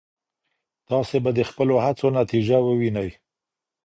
تاسي به د خپلو هڅو نتيجه ووينئ.